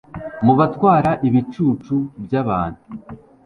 mubatwara ibicucu byabantu